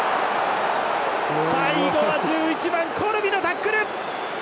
最後は１１番、コルビのタックル。